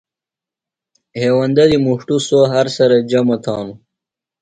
ہیوندہ دی مُݜٹوۡ سوۡ، ہر سرہ جمہ تھانوۡ